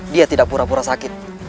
dia tidak pura pura sakit